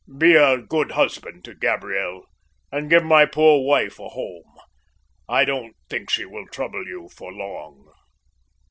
"Be a good husband to Gabriel, and give my poor wife a home. I don't think she will trouble you long.